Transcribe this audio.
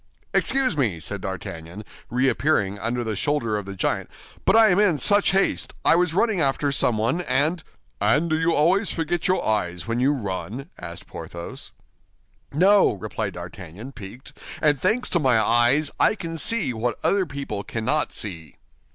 "Excuse me," said D'Artagnan, reappearing under the shoulder of the giant, "but I am in such haste—I was running after someone and—" "And do you always forget your eyes when you run?" asked Porthos. "No," replied D'Artagnan, piqued, "and thanks to my eyes, I can see what other people cannot see."